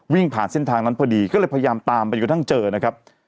วิ่งผ่านเส้นทางนั้นพอดีก็เลยพยายามตามไปกระทั่งเจอนะครับ